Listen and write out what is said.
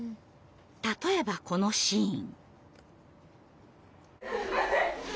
例えばこのシーン。